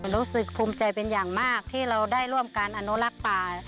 รู้สึกภูมิใจเป็นอย่างมากที่เราได้ร่วมการอนุรักษ์ป่า